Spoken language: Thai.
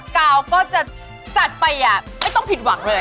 กาวก็จะจัดไปไม่ต้องผิดหวังเลย